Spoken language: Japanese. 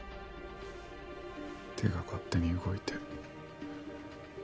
手が勝手に動いて。